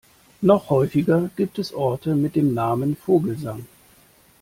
Noch häufiger gibt es Orte mit dem Namen Vogelsang.